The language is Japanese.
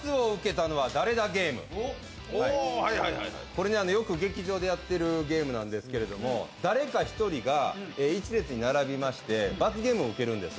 これ、よく劇場でやってるゲームなんですけれども誰か１人が１列に並びまして罰ゲームを受けるんです。